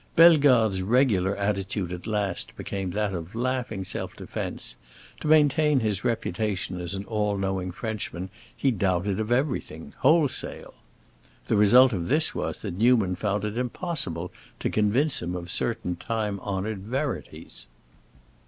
Bellegarde's regular attitude at last became that of laughing self defense; to maintain his reputation as an all knowing Frenchman, he doubted of everything, wholesale. The result of this was that Newman found it impossible to convince him of certain time honored verities.